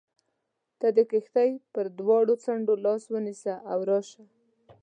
ته د کښتۍ پر دواړو څنډو لاس ونیسه او راشه.